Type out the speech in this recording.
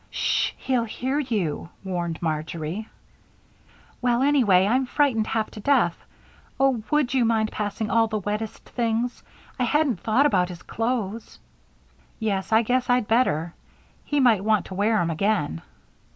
"Sh! he'll hear you," warned Marjory. "Well, anyway, I'm frightened half to death. Oh, would you mind passing all the wettest things? I hadn't thought about his clothes." "Yes, I guess I'd better; he might want to wear 'em again."